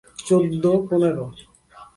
চৌদ্দ, পনেরো।